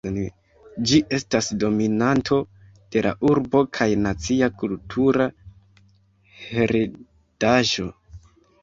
Ĝi estas dominanto de la urbo kaj nacia kultura heredaĵo.